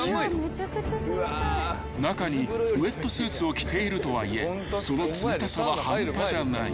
［中にウエットスーツを着ているとはいえその冷たさは半端じゃない］